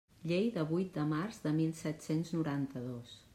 Llei de vuit de març de mil set-cents noranta-dos.